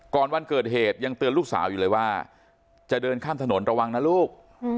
วันเกิดเหตุยังเตือนลูกสาวอยู่เลยว่าจะเดินข้ามถนนระวังนะลูก